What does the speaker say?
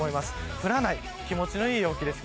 降らない気持ちのいい陽気です。